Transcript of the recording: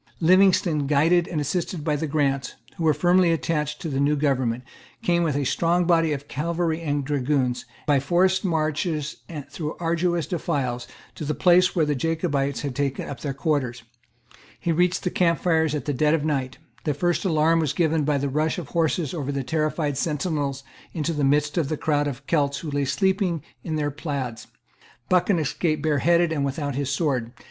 Livingstone, guided and assisted by the Grants, who were firmly attached to the new government, came, with a strong body of cavalry and dragoons, by forced marches and through arduous defiles, to the place where the Jacobites had taken up their quarters. He reached the camp fires at dead of night. The first alarm was given by the rush of the horses over the terrified sentinels into the midst Of the crowd of Celts who lay sleeping in their plaids. Buchan escaped bareheaded and without his sword.